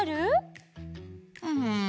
うん。